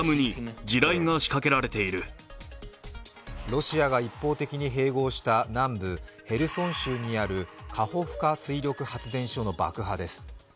ロシアが一方的に併合した南部ヘルソン州にあるカホフカ水力発電所の爆破です。